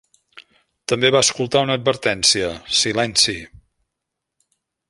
També va escoltar una advertència "Silenci"!